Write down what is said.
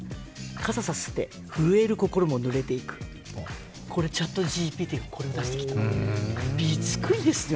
傘差して震える心もぬれていく、これＣｈａｔＧＰＴ、出してきたんですよ。